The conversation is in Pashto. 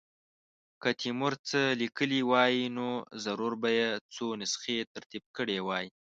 که تیمور څه لیکلي وای نو ضرور به یې څو نسخې ترتیب کړې وای.